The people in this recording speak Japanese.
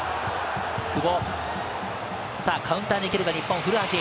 久保、カウンターでいけるか古橋。